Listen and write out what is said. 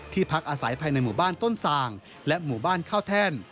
พักอาศัยภายในหมู่บ้านต้นสางและหมู่บ้านข้าวแท่น